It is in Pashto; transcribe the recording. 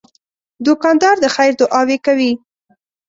دوکاندار د خیر دعاوې کوي.